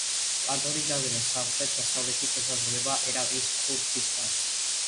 კანტონი ჯაზირა სამხრეთ-დასავლეთით ესაზღვრება ერაყის ქურთისტანს.